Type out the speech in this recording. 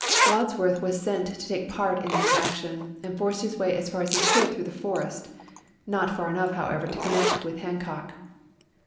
Wads worth was sent to take part in this action, and forced his way as far as he could through the forest — not far enough, however, to connect with Hancock.